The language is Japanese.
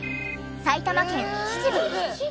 埼玉県秩父。